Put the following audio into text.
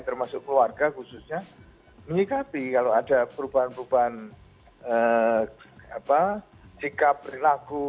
termasuk keluarga khususnya menyikapi kalau ada perubahan perubahan sikap perilaku